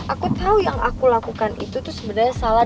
aku tahu yang aku lakukan itu tuh sebenarnya salah